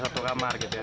cuma satu kamar gitu ya